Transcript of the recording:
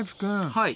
はい。